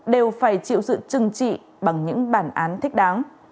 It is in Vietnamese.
đều phải chịu sự trừng trị bằng những bản án thích đáng